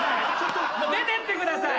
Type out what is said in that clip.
出てってください！